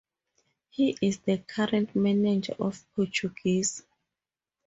He is the current manager of Portuguesa.